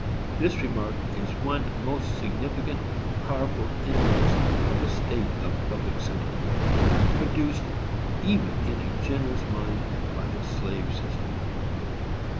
This remark is one most significant, powerful index of the state of public sentiment, produced even in a generous mind, by the slave system.